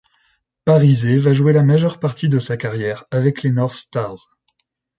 Parisé va jouer la majeure partie de sa carrière avec les North Stars.